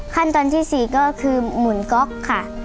ขั้นตอนที่๔ก็คือหมุนก๊อกค่ะ